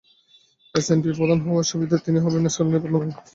এসএনপির প্রধান হওয়ার সুবাদে তিনি হবেন স্কটল্যান্ডের প্রথম নারী ফার্স্ট মিনিস্টার।